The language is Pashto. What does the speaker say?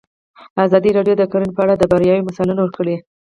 ازادي راډیو د کرهنه په اړه د بریاوو مثالونه ورکړي.